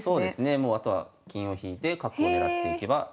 もうあとは金を引いて角を狙っていけばよしと。